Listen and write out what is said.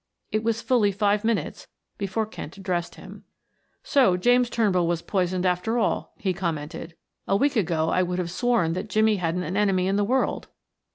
It was fully five minutes before Kent addressed him. "So James Turnbull was poisoned after all," he commented. "A week ago I would have sworn that Jimmie hadn't an enemy in the world."